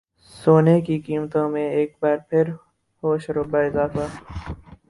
سونے کی قیمتوں میں ایک بار پھر ہوشربا اضافہ